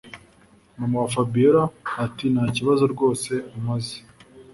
Mama wa Fabiora atintakibazo rwose umaze